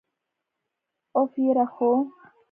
أف، یره خو!!